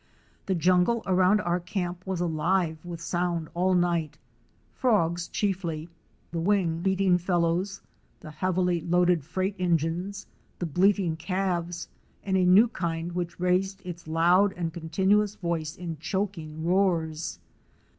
The jungle around our camp was alive with sound all night — frogs chiefly; the wing beating fellows, the heavily loaded freight engines, the bleating calves and a new kind which raised its loud and continuous voice in choking roars.